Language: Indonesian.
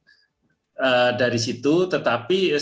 tetapi setelah itu kita akan menemukan keputusan untuk menjelaskan kebebasan